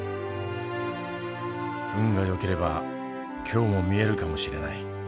運がよければ今日も見えるかもしれない。